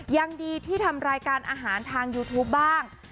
ยังดีที่ทำรายการอาหารทางยูทูปบ้าง